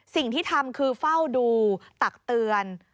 สิ่งที่ทำคือเฝ้าดูตักเตือน